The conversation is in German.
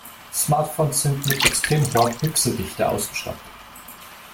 Smartphones sind mit extrem hoher Pixeldichte ausgestattet.